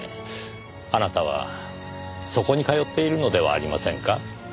あなたはそこに通っているのではありませんか？